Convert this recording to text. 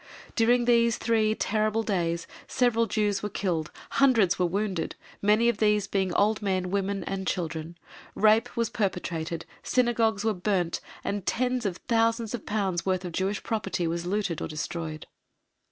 During these three terrible days several Jews were killed, hundreds were wounded (many of these being old men, women and children), rape was perpetrated, Synagogues were burnt, and tens of thousands of pounds worth of Jewish property was looted or destroyed.